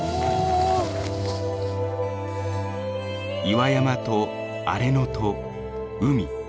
岩山と荒れ野と海。